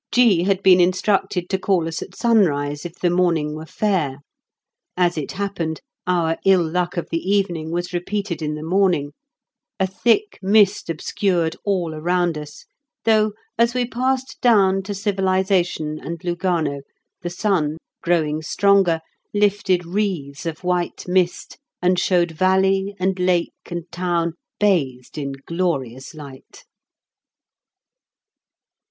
G. had been instructed to call us at sunrise if the morning were fair. As it happened, our ill luck of the evening was repeated in the morning. A thick mist obscured all around us, though as we passed down to civilisation and Lugano the sun, growing stronger, lifted wreaths of white mist, and showed valley, and lake, and town bathed in glorious light.